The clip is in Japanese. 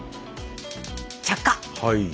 着火！